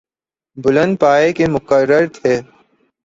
بلند پائے کے مقرر تھے۔